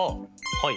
はい。